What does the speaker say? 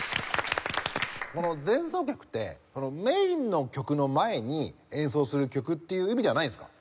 この前奏曲ってメインの曲の前に演奏する曲っていう意味ではないんですか？